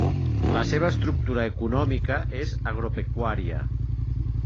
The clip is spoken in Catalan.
La seva estructura econòmica és agropecuària.